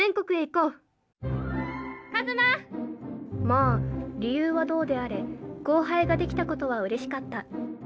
まあ理由はどうであれ後輩ができたことはうれしかった。